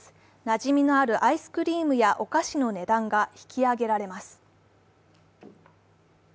なじみのあるアイスクリームやお菓子の値段が引き上げられます。